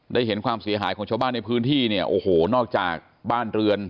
ได้เห็นความเสียหายของชาวบ้านในพื้นที่เนี่ยโอ้โหนอกจากบ้านเรือน